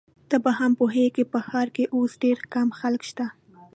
ته به هم پوهیږې، په ښار کي اوس ډېر کم خلک شته.